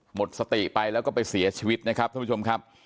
หมดสติไปแล้วก็ไปเสียชีวิตนะครับท่านผู้ชมครับ